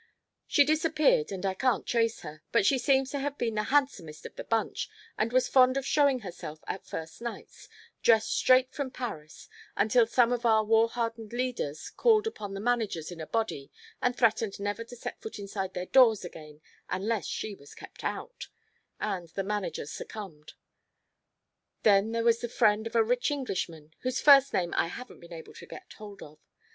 She disappeared and I can't trace her, but she seems to have been the handsomest of the bunch, and was fond of showing herself at first nights, dressed straight from Paris, until some of our war hardened 'leaders' called upon the managers in a body and threatened never to set foot inside their doors again unless she was kept out, and the managers succumbed. Then there was the friend of a rich Englishman, whose first name I haven't been able to get hold of.